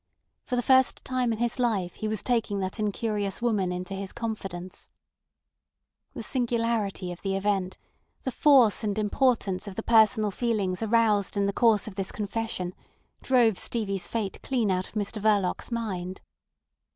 For the first time in his life he was taking that incurious woman into his confidence. The singularity of the event, the force and importance of the personal feelings aroused in the course of this confession, drove Stevie's fate clean out of Mr Verloc's mind.